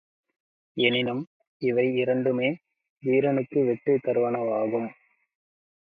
எனினும் இவை இரண்டுமே வீரனுக்கு வெற்றி தருவனவாகும்.